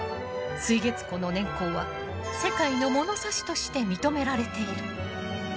水月湖の年縞は「世界のものさし」として認められている。